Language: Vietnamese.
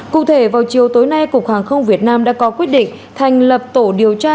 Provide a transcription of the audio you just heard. cụ thể vào chiều tối nay cục hàng không việt nam đã có quyết định thành lập tổ điều tra